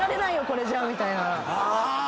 これじゃみたいな。